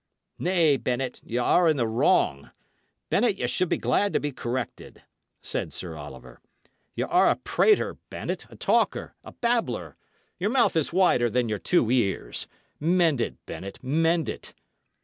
"Nay, Bennet, y' are in the wrong. Bennet, ye should be glad to be corrected," said Sir Oliver. "Y' are a prater, Bennet, a talker, a babbler; your mouth is wider than your two ears. Mend it, Bennet, mend it."